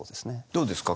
どうですか？